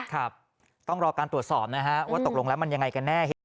ครับต้องรอการตรวจสอบนะฮะว่าตกลงแล้วมันยังไงกันแน่เหตุ